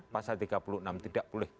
pasal tiga puluh enam tidak boleh